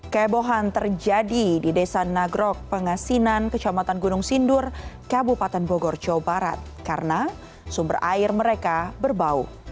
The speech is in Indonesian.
kehebohan terjadi di desa nagrok pengasinan kecamatan gunung sindur kabupaten bogor jawa barat karena sumber air mereka berbau